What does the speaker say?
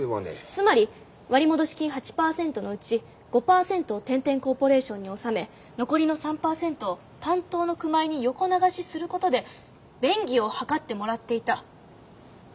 つまり割戻金８％のうち５％を天・天コーポレーションに納め残りの３％を担当の熊井に横流しすることで便宜を図ってもらっていた。